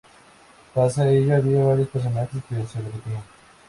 Pese a ello, había varios personajes que se repetían.